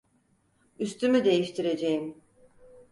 Üstümü değiştireceğim.